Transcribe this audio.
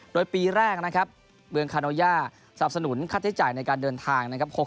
โดยปีแรกนะครับเมืองคาโนยาสนับสนุนค่าใช้จ่ายในการเดินทางนะครับ